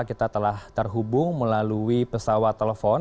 kita telah terhubung melalui pesawat telepon